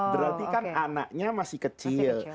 berarti kan anaknya masih kecil